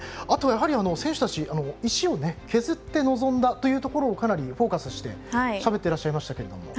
あとはやはり選手たち石を削って臨んだところをかなりフォーカスしてしゃべっていらっしゃいました。